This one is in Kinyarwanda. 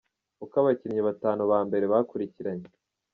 Uko abakinnyi batanu ba mbere bakurikiranye:.